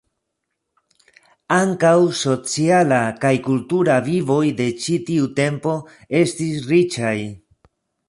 Ankaŭ sociala kaj kultura vivoj de ĉi tiu tempo estis riĉaj.